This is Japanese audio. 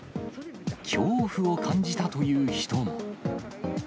恐怖を感じたという人も。